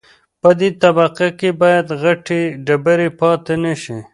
په دې طبقه کې باید غټې ډبرې پاتې نشي